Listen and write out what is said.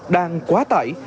đang quá tải